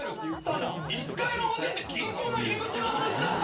１階の表って銀行の入り口の話だったのかよ。